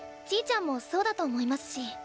ちぃちゃんもそうだと思いますし。